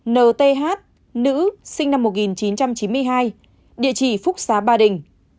sáu nth nữ sinh năm một nghìn chín trăm chín mươi hai địa chỉ phúc xá ba đình